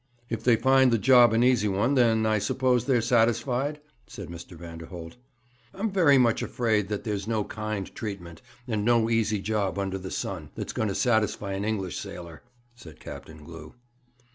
'If they find the job an easy one, then I suppose they're satisfied?' said Mr. Vanderholt. 'I'm very much afraid that there's no kind treatment, and no easy job under the sun, that's going to satisfy an English sailor,' said Captain Glew.